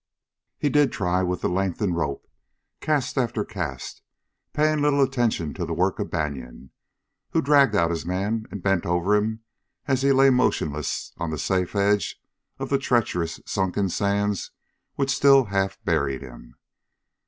He did try, with the lengthened rope, cast after cast, paying little attention to the work of Banion, who dragged out his man and bent over him as he lay motionless on the safe edge of the treacherous sunken sands which still half buried him.